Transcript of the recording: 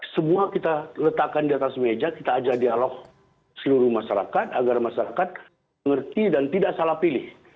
semua kita letakkan di atas meja kita ajak dialog seluruh masyarakat agar masyarakat mengerti dan tidak salah pilih